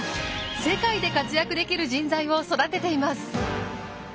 世界で活躍できる人材を育てています。